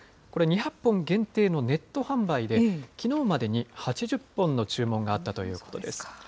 これ、２００本限定のネット販売で、きのうまでに８０本の注文があったということです。